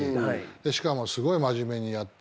しかもすごい真面目にやってるイメージ。